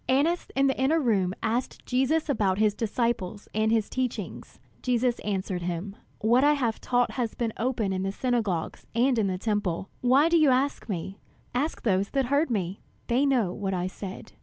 Annas in the inner room asked Jesus about his disciples and his teaching. Jesus answered him: "What I have taught has been open in the synagogues and in the Temple. Why do you ask me? Ask those that heard me; they know what I said."